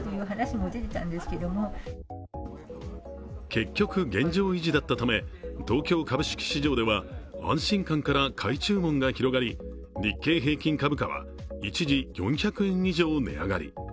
結局、現状維持だったため、東京株式市場では安心感から買い注文が広がり日経平均株価は一時４００円以上値上がり。